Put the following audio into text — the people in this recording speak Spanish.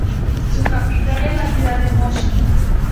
Su capital es la ciudad de Moshi.